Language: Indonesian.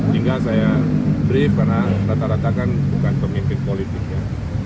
hingga saya bree karena rata rata kan bukan pemimpin politiknya